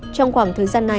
trong khoảng thời gian này